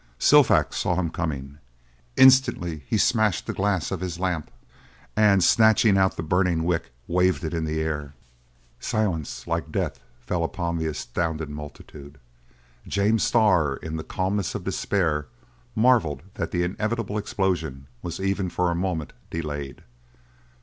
Silfax saw him coming. Instantly he smashed the glass of his lamp, and, snatching out the burning wick, waved it in the air. Silence like death fell upon the astounded multitude. James Starr, in the calmness of despair, marvelled that the inevitable explosion was even for a moment delayed.